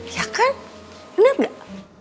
iya kan bener gak